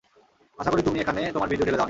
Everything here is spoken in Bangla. আশা করি তুমি এখানে তোমার বীর্য ঢেলে দাওনি।